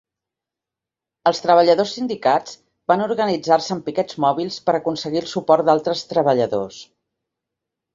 Els treballadors sindicats van organitzar-se en piquets mòbils per aconseguir el suport d'altres treballadors.